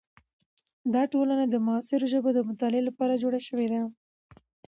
دا ټولنه د معاصرو ژبو د مطالعې لپاره جوړه شوې ده.